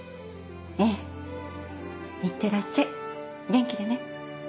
ええいってらっしゃい元気でね。